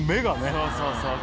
そうそうそう。